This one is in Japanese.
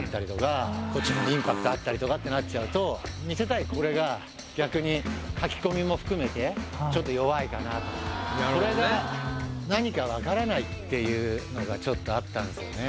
インパクトあったりとかってなっちゃうと見せたいこれが逆に描き込みも含めてちょっと弱いかな。っていうのがちょっとあったんですよね。